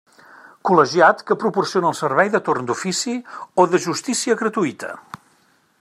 Col·legiat que proporciona el servei de torn d'ofici o de justícia gratuïta.